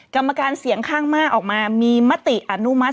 กรรมการเสียงข้างมากออกมามีมติอนุมัติ